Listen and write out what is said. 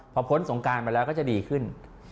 พอพ้นสงการมาแล้วก็จะดีขึ้น